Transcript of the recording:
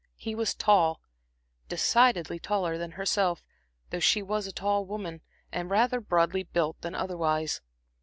He was tall decidedly taller than herself, though she was a tall woman, and rather broadly built than otherwise.